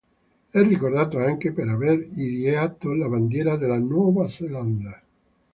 È ricordato anche per aver ideato la bandiera della Nuova Zelanda.